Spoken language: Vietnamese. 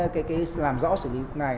cái làm rõ xử lý này